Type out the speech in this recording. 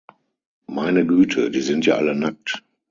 Meine Güte, die sind ja alle nackt!